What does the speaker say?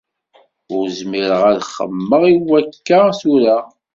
Ur zmireɣ ad xemmemeɣ i wakka tura.